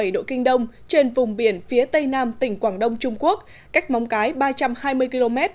một trăm một mươi bảy độ kinh đông trên vùng biển phía tây nam tỉnh quảng đông trung quốc cách móng cái ba trăm hai mươi km